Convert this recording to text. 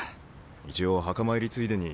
一応墓参りついでに。